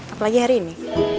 apalagi hari ini